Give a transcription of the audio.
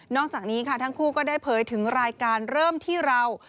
จากนี้ค่ะทั้งคู่ก็ได้เผยถึงรายการเริ่มที่เรา